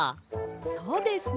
そうですね。